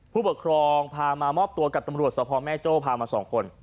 ผู้ปกครองพามามอบตัวกับธรรมรวจสำพรมางแม่โจ้พามาสองคน